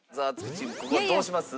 チームここはどうします？